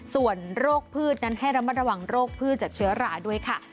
ส่วนโรคพืชนั้นให้ระมัดระวังโรคพืชจากเชื้อราด้วยค่ะ